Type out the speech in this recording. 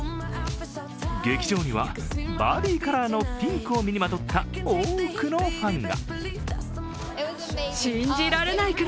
劇場にはバービーカラーのピンクを身にまとった多くのファンが。